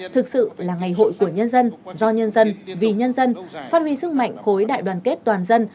thực sự là ngày hội của nhân dân do nhân dân vì nhân dân phát huy sức mạnh khối đại đoàn kết toàn dân